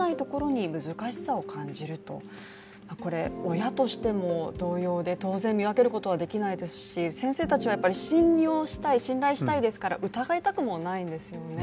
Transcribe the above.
親としても同様で、当然見分けることはできないですし先生たちは信用したい、信頼したいですから疑いたくもないですよね。